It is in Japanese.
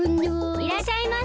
いらっしゃいませ！